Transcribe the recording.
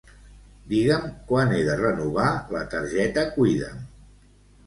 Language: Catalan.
Digue'm quan he de renovar la targeta Cuida'm.